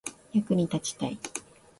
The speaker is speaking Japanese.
役に立ちたい